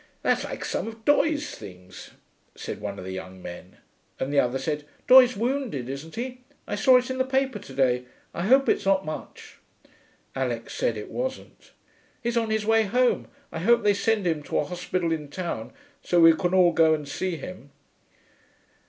'That's like some of Doye's things,' said one of the young men, and the other said, 'Doye's wounded, isn't he? I saw it in the paper to day. I hope it's not much.' Alix said it wasn't. 'He's on his way home. I hope they send him to a hospital in town, so we can all go and see him.'